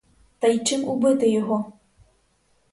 Та й чим убити його?